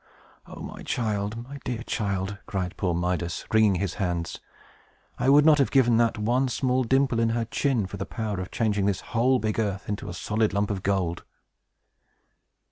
"Oh, my child, my dear child!" cried poor Midas, wringing his hands. "I would not have given that one small dimple in her chin for the power of changing this whole big earth into a solid lump of gold!"